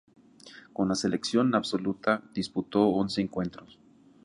Con la selección absoluta disputó once encuentros.